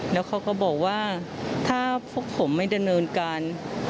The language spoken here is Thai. แล้วเขาก็บอกว่าถ้าพวกผมไม่ดำเนินการ